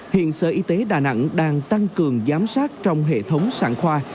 hiện sở y tế đà nẵng đang tăng cường giám sát trong hệ thống sản khoa